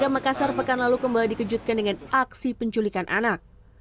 makassar pekan lalu kembali dikejutkan dengan aksi penculikan anak